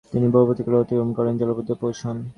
তিনি বহু প্রতিকূলতা অতিক্রম করে জলন্ধর পৌঁছন।